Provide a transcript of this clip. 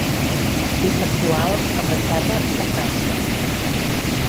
És l'actual ambaixada de França.